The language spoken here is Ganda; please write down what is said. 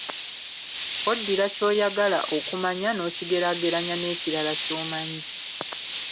Oddira ky'oyagala okumanya n'okigeraageranya n'ekirala ky'omanyi.